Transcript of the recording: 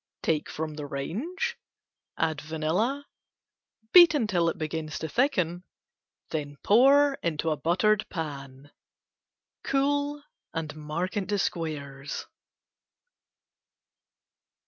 Take from range, add vanilla, beat until it begins to thicken, then pour into a buttered pan. Cool and mark into squares.